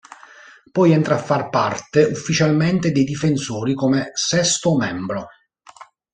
Poi entra a far parte ufficialmente dei difensori come sesto membro.